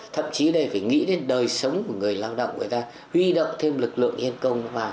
thậm chí đây phải nghĩ đến đời sống của người lao động người ta huy động thêm lực lượng nhân công